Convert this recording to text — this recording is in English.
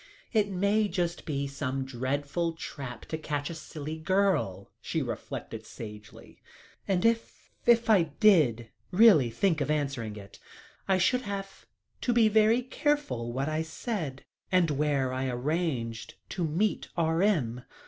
"It may be just some dreadful trap to catch a silly girl," she reflected sagely, "and if if I did really think of answering it, I should have to be very careful what I said and where I arranged to meet R.M.